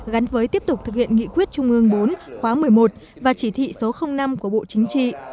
gắn với tiếp tục thực hiện nghị quyết trung ương bốn khóa một mươi một và chỉ thị số năm của bộ chính trị